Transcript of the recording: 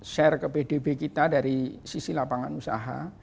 share ke pdb kita dari sisi lapangan usaha